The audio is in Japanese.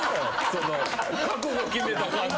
その覚悟決めた感じ。